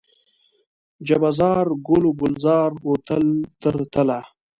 جبه زار، ګل و ګلزار و تل تر تله